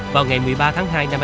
vào ngày một mươi ba tháng hai